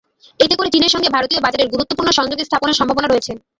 এতে করে চীনের সঙ্গে ভারতীয় বাজারের গুরুত্বপূর্ণ সংযোগ স্থাপনের সম্ভাবনা রয়েছে।